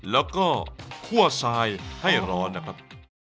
แล้วก็คั่วทรายให้ร้อนนะครับ